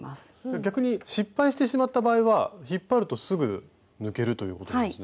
逆に失敗してしまった場合は引っ張るとすぐ抜けるということですね。